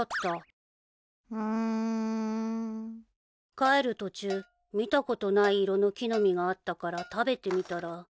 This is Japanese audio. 帰る途中見たことない色の木の実があったから食べてみたら。